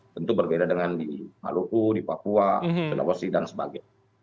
tentu berbeda dengan di maluku di papua di tengah wosi dan sebagainya